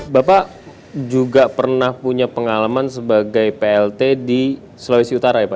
bapak juga pernah punya pengalaman sebagai plt di sulawesi utara ya pak